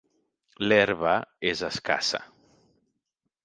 L'herba és escassa.